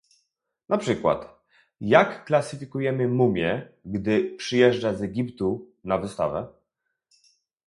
Na przykład, jak klasyfikujemy mumię, gdy przyjeżdża z Egiptu na wystawę?